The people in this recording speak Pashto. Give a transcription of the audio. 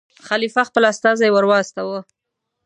خلیفه خپل استازی ور واستاوه.